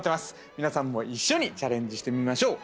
皆さんも一緒にチャレンジしてみましょう。